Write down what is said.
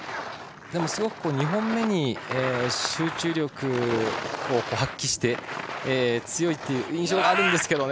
すごく２本目に集中力を発揮して強いという印象がありますが。